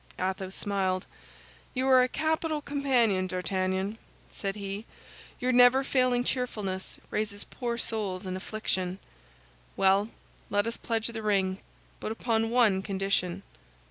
Athos smiled. "You are a capital companion, D'Artagnan," said he; "your never failing cheerfulness raises poor souls in affliction. Well, let us pledge the ring, but upon one condition."